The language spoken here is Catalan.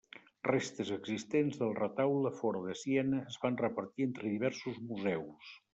Restes existents del retaule fora de Siena es van repartir entre diversos museus.